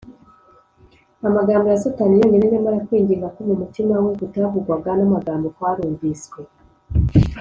amagambo ya satani yonyine, nyamara kwinginga ko mu mutima we kutavugwagwa n’amagambo kwarumviswe